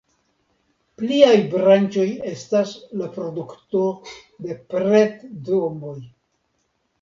Pliaj branĉoj estas la produkto de pret-domoj.